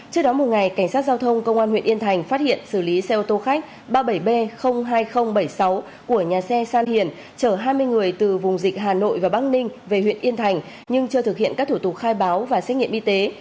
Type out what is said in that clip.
trước đó một ngày cảnh sát giao thông công an huyện yên thành phát hiện xử lý xe ô tô khách ba mươi bảy b hai nghìn bảy mươi sáu của nhà xe san hiền chở hai mươi người từ vùng dịch hà nội và bắc ninh về huyện yên thành nhưng chưa thực hiện các thủ tục khai báo và xét nghiệm y tế